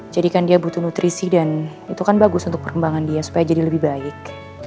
kan dia butuh nutrisi dan itu kan bagus untuk perkembangan dia supaya jadi lebih baik